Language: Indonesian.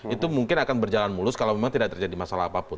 itu mungkin akan berjalan mulus kalau memang tidak terjadi masalah apapun